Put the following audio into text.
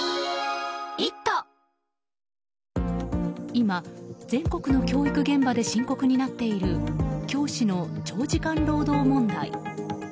今、全国の教育現場で深刻になっている教師の長時間労働問題。